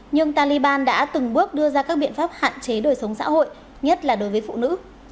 nhưng taliban đã từng bước đưa ra các biện pháp hạn chế đời sống xã hội nhất là đối với phụ nữ